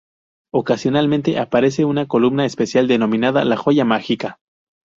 Ocasionalmente aparece una columna especial denominada la Joya Mágica.